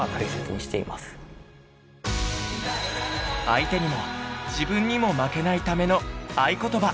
相手にも自分にも負けないための愛ことば。